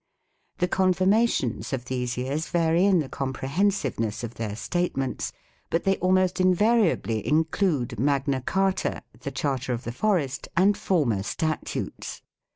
1 The confirmations of these years vary in the com prehensiveness of their statements, but they almost invariably include Magna Carta, the Charter of the Forest, and former statutes.